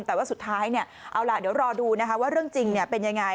แต่ว่าสุดท้ายเอาล่ะเดี๋ยวรอดูนะคะว่าเรื่องจริงเป็นยังไง